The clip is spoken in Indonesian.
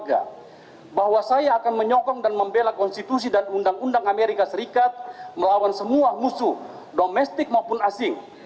dan saya ingin mengucapkan kepada warga negara amerika serikat bahwa saya akan menyokong dan membela konstitusi dan undang undang amerika serikat melawan semua musuh domestik maupun asing